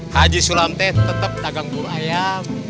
haji sulam teh tetep dagang buru ayam